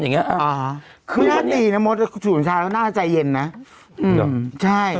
อย่างเงี้ยอ่าฮะคือถ้าตีน้ำลนสูญชาวน่าใจเย็นน่ะอือ